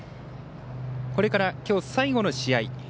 これから、きょう最後の試合。